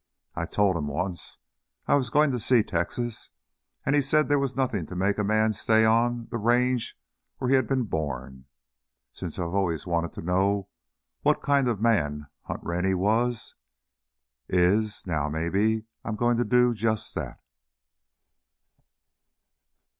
I told him once I was goin' to see Texas, and he said there was nothing to make a man stay on the range where he had been born. Since I've always wanted to know what kind of a man Hunt Rennie was is now maybe I'm goin' to do just that."